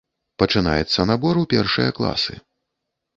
Пачынаецца набор у першыя класы.